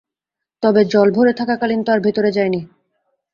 তবে জল ভরে থাকাকালীন তো আর ভেতরে যাইনি।